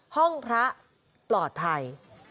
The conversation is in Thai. ห้องพระปลอดภัย